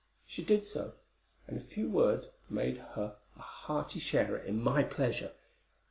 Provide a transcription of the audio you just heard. She did so, and a few words made her a hearty sharer in my pleasure.